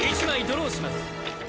１枚ドローします。